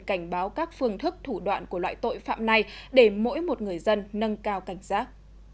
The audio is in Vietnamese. cảnh báo các phương thức thủ đoạn của loại tội phạm này để mỗi một người dân nâng cao cảnh giác